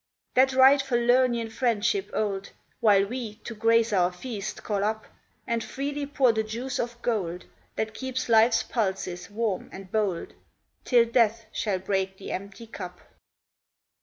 That right Falernian friendship old Will we, to grace our feast, call up, And freely pour the juice of gold, That keeps life's pulses warm and bold, Till Death shall break the empty cup.